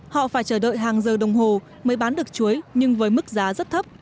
họ phải chờ đợi hàng giờ đồng hồ mới bán được chuối nhưng với mức giá rất thấp